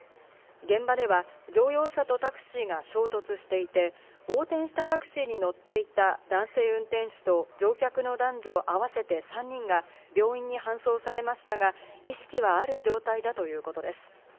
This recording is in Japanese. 現場では乗用車とタクシーが衝突していて、横転したタクシーに乗っていた男性運転手と乗客の男女合わせて３人が病院に搬送されましたが、意識はある状態だということです。